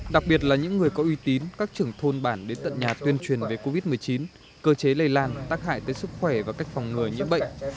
đặc biệt là những người có uy tín các trưởng thôn bản đến tận nhà tuyên truyền về covid một mươi chín cơ chế lây lan tác hại tới sức khỏe và cách phòng người nhiễm bệnh